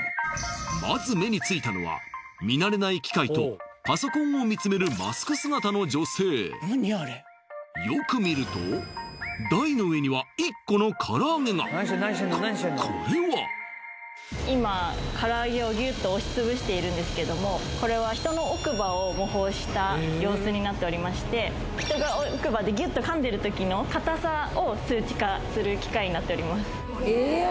まず目についたのは見慣れない機械とパソコンを見つめるマスク姿の女性よく見ると台の上には１個のここれは今唐揚げをギュッと押しつぶしているんですけどもこれはした様子になっておりまして人が奥歯でギュッと噛んでる時の固さを数値化する機械になっております